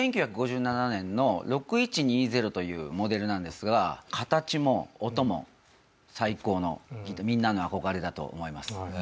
１９５７年の６１２０というモデルなんですが形も音も最高のみんなの憧れだと思います。